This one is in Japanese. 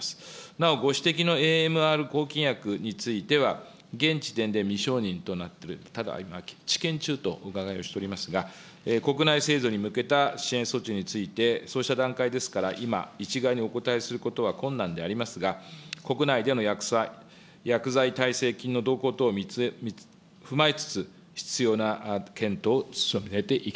なお、ご指摘のＡＭＲ抗菌薬については、現時点で未承認となっている、ただ、今、治験中とお伺いをしておりますが、国内製造に向けた支援措置について、そうした段階ですから、今、一概にお答えすることは困難でありますが、国内での薬剤耐性菌の動向等を踏まえつつ、必要な検討